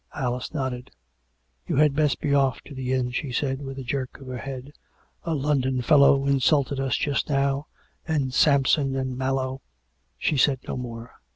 Alice nodded. " You had best be off to the inn," she said, with a jerk of her head. " A London fellow insulted us just now, and Sampson and Mallow " She said no more.